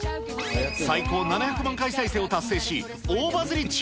最高７００万回再生を達成し、大バズり中。